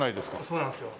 そうなんですよ。